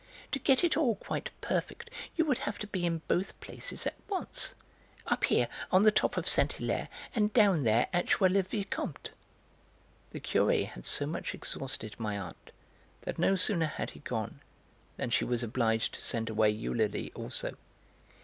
To get it all quite perfect you would have to be in both places at once; up here on the top of Saint Hilaire and down there at Jouy le Vicomte." The Curé had so much exhausted my aunt that no sooner had he gone than she was obliged to send away Eulalie also.